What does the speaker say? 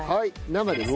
生ですね。